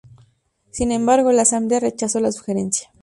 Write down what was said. Sin embargo, la Asamblea rechazó la sugerencia.